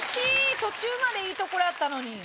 途中までいいとこやったのに。